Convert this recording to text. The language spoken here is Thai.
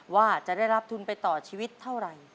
ว่าจะได้รับทุนไปต่อชีวิตเท่าไหร่